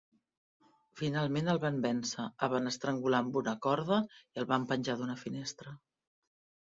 Finalment el van vèncer, el van estrangular amb una corda i el van penjar d'una finestra.